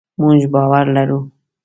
مونږ باور لرو